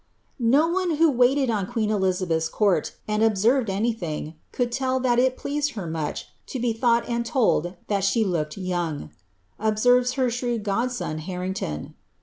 "No one who wailed in queen Elizabeth's court, and observed anv ihing, bul could tell that it pleased her much lo be thought and inid that she looked young," observes her shrewd godson HarriuElon.